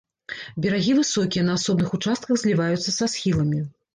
Берагі высокія, на асобных участках зліваюцца са схіламі.